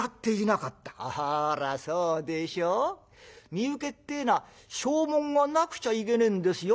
身請けってえのは証文がなくちゃいけねえんですよ。